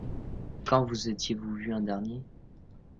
Qund vous étiez-vous vu en dernier ?